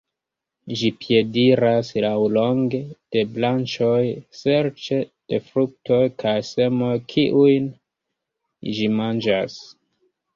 Ĝi piediras laŭlonge de branĉoj serĉe de fruktoj kaj semoj kiujn ĝi manĝas.